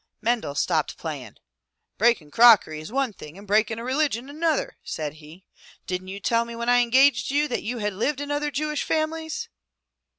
'' Mendel stopped playing. "Breaking crockery is one thing and breaking a religion another," said he. "Didn't you tell me when I engaged you that you had lived in other Jewish families?"